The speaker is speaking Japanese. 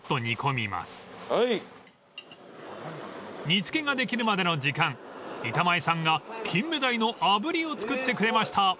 ［煮付けができるまでの時間板前さんが金目鯛のあぶりを作ってくれました］